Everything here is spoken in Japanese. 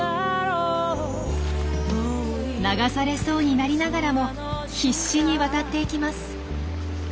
流されそうになりながらも必死に渡っていきます。